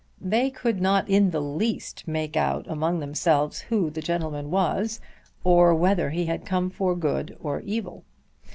They could not in the least make out among themselves who the gentleman was, or whether he had come for good or evil.